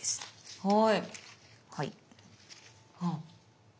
はい。